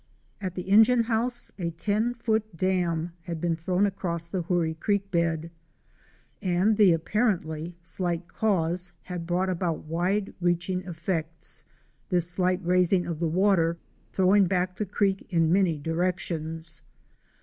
At the engine house a ten foot dam had been thrown across the Hoorie Creek bed, and the apparently slight cause had brought about wide reaching effects; this slight raising of the water throwing back the creek in many directions.